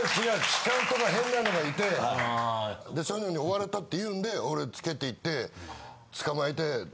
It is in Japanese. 痴漢とか変なのがいてそういうのに追われたって言うんで俺つけていって。